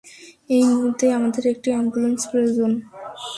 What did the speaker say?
এই মুহুর্তেই আমাদের একটি অ্যাম্বুলেন্স প্রয়োজন!